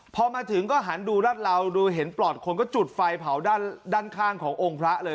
พอมาถึงก็หันดูรัดเราดูเห็นปลอดคนก็จุดไฟเผาด้านข้างขององค์พระเลย